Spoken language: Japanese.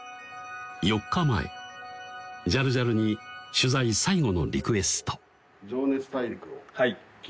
４日前「ジャルジャル」に取材最後のリクエスト